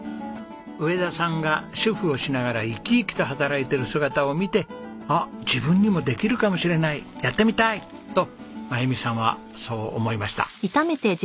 上田さんが主婦をしながら生き生きと働いている姿を見て「自分にもできるかもしれないやってみたい！」と真由美さんはそう思いました。